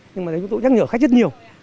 nhưng mà đấy chúng tôi nhắc nhở khách rất nhiều